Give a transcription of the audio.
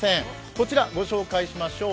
こちらご紹介しましょう。